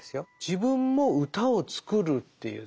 自分も歌を作るっていう。